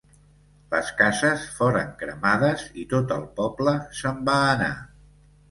Les cases foren cremades i tot el poble se'n va anar.